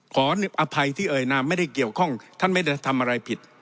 ขออภัยที่เอ่ยนามไม่ได้เกี่ยวข้องท่านไม่ได้ทำอะไรผิด